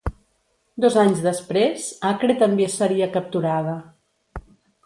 Dos anys després Acre també seria capturada.